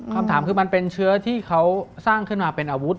คำถามคือมันเป็นเชื้อที่เขาสร้างขึ้นมาเป็นอาวุธ